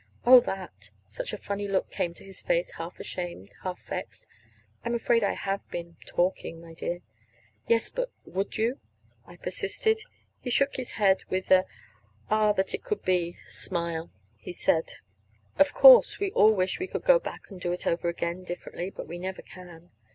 "Oh, that!" Such a funny look came to his face, half ashamed, half vexed. "I'm afraid I have been talking, my dear." "Yes, but would you?" I persisted. He shook his head; then, with such an oh that it could be! smile, he said: "Of course; we all wish that we could go back and do it over again differently. But we never can."